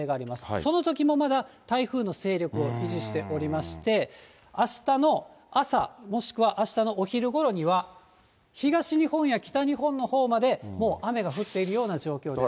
そのときもまだ、台風の勢力を維持しておりまして、あしたの朝、もしくはあしたのお昼ごろには、東日本や北日本のほうまでもう雨が降っているような状況です。